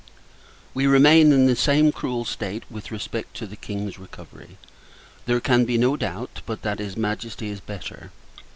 We remain in the same cruel state with respect to the King's recovery. There can be no doubt, but that his Majesty is better.